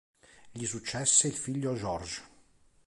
Gli successe il figlio George.